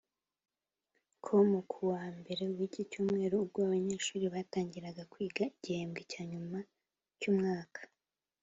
com ko kuwa mbere w’iki cyumweru ubwo abanyeshuri batangiraga kwiga igihembwe cy’anyuma cy’umwaka